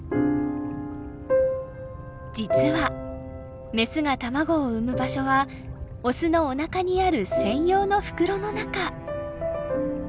実はメスが卵を産む場所はオスのおなかにある専用の袋の中。